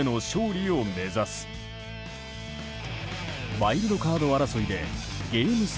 ワイルドカード争いでゲーム差